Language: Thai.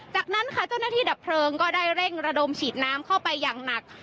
จากนั้นค่ะเจ้าหน้าที่ดับเพลิงก็ได้เร่งระดมฉีดน้ำเข้าไปอย่างหนัก